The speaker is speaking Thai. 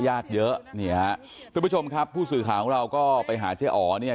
ญาติเยอะนี่ฮะทุกผู้ชมครับผู้สื่อข่าวของเราก็ไปหาเจ๊อ๋อเนี่ย